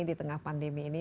di tengah pandemi ini